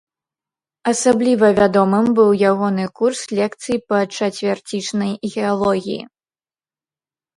Асабліва вядомым быў ягоны курс лекцый па чацвярцічнай геалогіі.